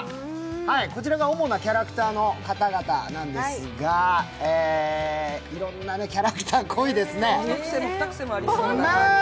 こちらが主なキャラクターの方々なんですが、いろんなキャラクター、濃いですねまあ